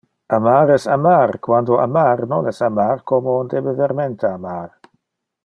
Amar es amar, quando amar non es amar como on debe vermente amar.